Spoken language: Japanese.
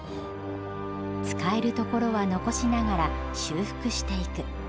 使えるところは残しながら修復していく。